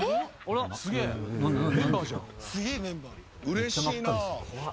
めっちゃ真っ赤ですよ怖い。